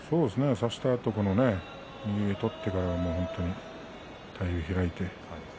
差したあと右を取ってから体を開いて。